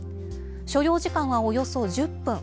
所要時間はおよそ１０分。